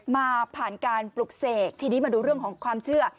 ผ่านการปลุกเสกทีนี้มาดูเรื่องของความเชื่อ